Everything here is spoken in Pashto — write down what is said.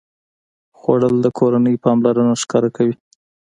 خوړل د کورنۍ پاملرنه ښکاره کوي